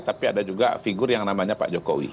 tapi ada juga figur yang namanya pak jokowi